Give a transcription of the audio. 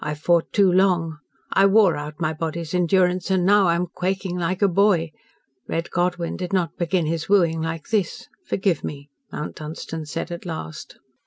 "I fought too long. I wore out my body's endurance, and now I am quaking like a boy. Red Godwyn did not begin his wooing like this. Forgive me," Mount Dunstan said at last.